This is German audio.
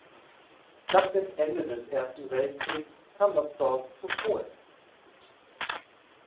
Nach dem Ende des Ersten Weltkriegs kam das Dorf zu Polen.